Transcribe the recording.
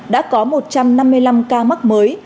đã có một trăm năm mươi năm ca mắc mới